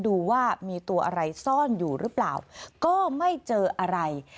ดูว่ามีตัวอะไรซ่อนอยู่หรือเปล่าก็ไม่เจออะไร